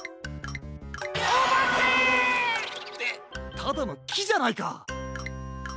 おばけ！ってただのきじゃないか。